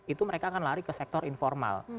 itu mereka akan lari ke sektor informal